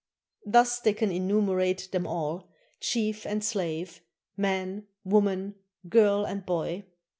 Thus they can enumerate them all, chief and slave, man, woman, girl, and boy.